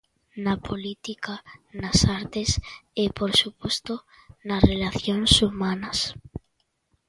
Na política, nas artes e, por suposto, nas relacións humanas.